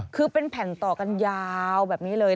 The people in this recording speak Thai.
คือเป็นแผ่นต่อกันยาวแบบนี้เลย